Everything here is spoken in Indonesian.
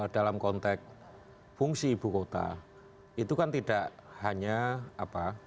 dalam konteks fungsi ibu kota itu kan tidak hanya apa